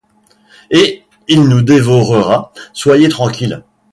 Et il nous dévorera, soyez tranquilles!